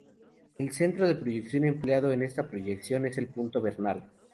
El centro de proyección empleado en esta proyección es el punto vernal.